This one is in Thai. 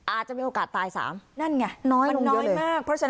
อาจจะมีโอกาสตายสามนั่นไง